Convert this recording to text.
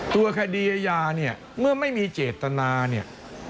ตัวคดีอาญาเนี่ยเมื่อไม่มีเจตนาเนี่ย